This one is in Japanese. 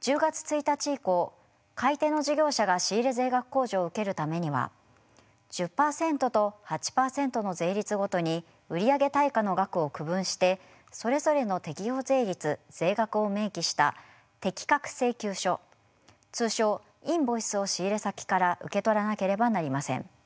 １０月１日以降買い手の事業者が仕入れ税額控除を受けるためには１０％と８％の税率ごとに売り上げ対価の額を区分してそれぞれの適用税率・税額を明記した適格請求書通称インボイスを仕入れ先から受け取らなければなりません。